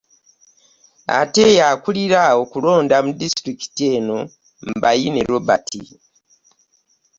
Ate ye akulira okulonda mu disitulikiti eno, Mbaine Robert